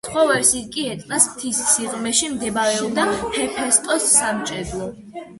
სხვა ვერსიით კი ეტნას მთის სიღრმეში მდებარეობდა ჰეფესტოს სამჭედლო.